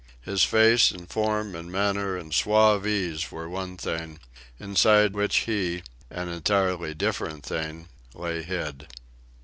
His face and form and manner and suave ease were one thing, inside which he, an entirely different thing, lay hid.